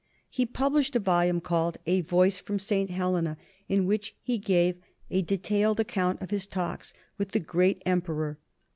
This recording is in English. He published a volume called "A Voice from St. Helena," in which he gave a detailed account of his talks with the great Emperor.